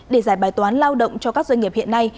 để giải bài toán lao động cho các doanh nghiệp hiện nay